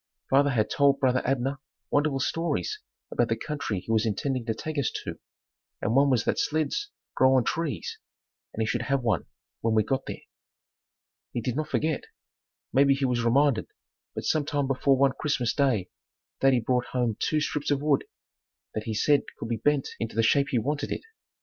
Father had told brother Abner wonderful stories about the country he was intending to take us to and one was that "sleds grow on trees" and he should have one when we got there. He did not forget. Maybe he was reminded, but some time before one Christmas day daddy brought home two strips of wood that he said could be bent into the shape he wanted it.